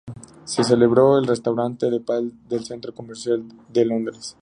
Se celebró en el restaurante Pall del Centro Comercial de Londres.